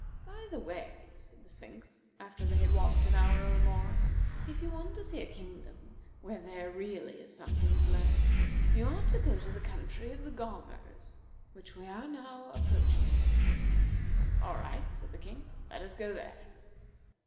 "By the way," said the Sphinx, after they had walked an hour or more, "if you want to see a kingdom where there really is something to learn, you ought to go to the country of the Gaumers, which we are now approaching." "All right," said the King. "Let us go there."